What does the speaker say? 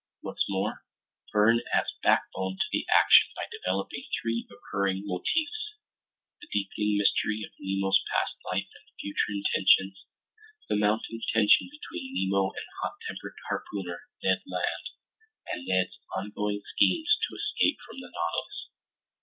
What's more, Verne adds backbone to the action by developing three recurring motifs: the deepening mystery of Nemo's past life and future intentions, the mounting tension between Nemo and hot tempered harpooner Ned Land, and Ned's ongoing schemes to escape from the Nautilus.